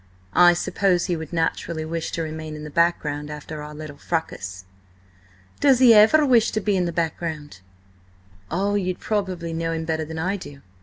"I suppose he would naturally wish to remain in the background after our little fracas." "Does he ever wish to be in the background?" "You probably know him better than I do.